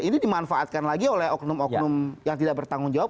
ini dimanfaatkan lagi oleh oknum oknum yang tidak bertanggung jawab